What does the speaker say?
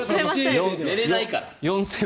寝れないから。